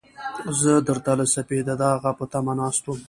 زه درته له سپېده داغه په تمه ناست وم.